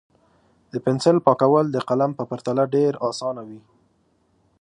د پنسل پاکول د قلم په پرتله ډېر اسانه وي.